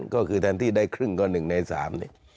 ก็คือแทนที่ได้ครึ่งก็๑ใน๓เนี่ย